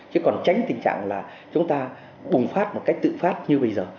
chứ còn tránh tình trạng là chúng ta bùng phát một cách tự phát như bây giờ